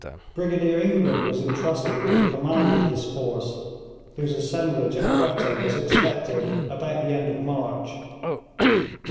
Brigadier England was entrusted with the command of this force, whose assemblage at Quetta was expected about the end of March.